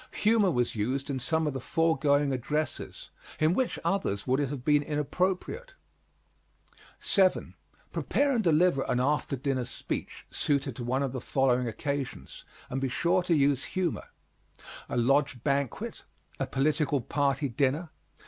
Humor was used in some of the foregoing addresses in which others would it have been inappropriate? 7. Prepare and deliver an after dinner speech suited to one of the following occasions, and be sure to use humor: A lodge banquet. A political party dinner.